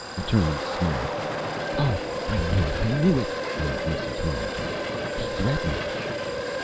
"Attorney Smith " "Oh, I knew it! I knew it!" moaned Mrs. Wilmerton. "He threatened it!"